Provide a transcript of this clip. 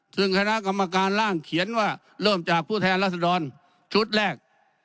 ซึ่งคณะกรรมการร่างเขียนว่าเริ่มจากผู้แทนรัศดรชุดแรก